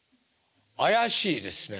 怪しいですね。